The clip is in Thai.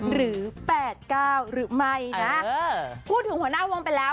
หรือแปดเก้าหรือไม่นะเออพูดถึงหัวหน้าวงไปแล้ว